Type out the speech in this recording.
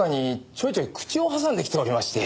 ちょいちょい口を挟んできておりまして。